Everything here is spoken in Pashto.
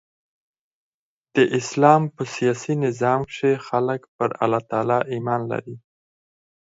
د اسلام په سیاسي نظام کښي خلک پر الله تعالي ایمان لري.